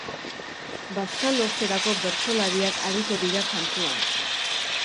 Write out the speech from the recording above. Bazkalosterako bertsolariak ariko dira kantuan.